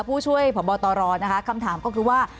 ผู้ช่วยผ่อนบอตรรอนนะคะคำถามก็คือว่า